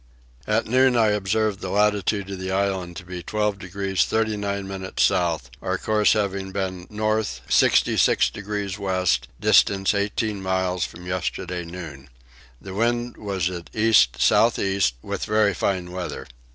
At noon I observed the latitude of the island to be 12 degrees 39 minutes south, our course having been north 66 degrees west, distance 18 miles from yesterday noon. The wind was at east south east with very fine weather.